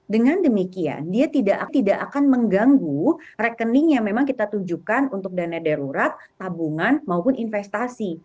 dengan demikian dia tidak akan mengganggu rekening yang memang kita tunjukkan untuk dana darurat tabungan maupun investasi